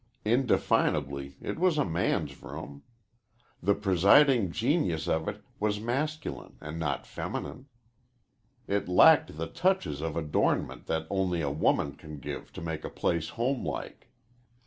Indefinably, it was a man's room. The presiding genius of it was masculine and not feminine. It lacked the touches of adornment that only a woman can give to make a place homelike.